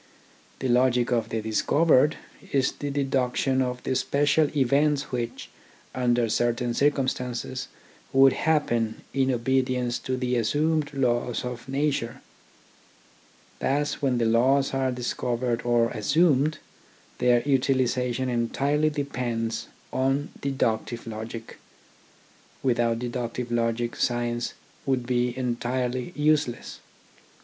The logic of the discovered is the deduction of the special events which, under certain circum stances, would happen in obedience to the assumed laws of nature. Thus when the laws are dis covered or assumed, their utilisation entirely depends on deductive logic. Without deductive logic science would be entirely useless.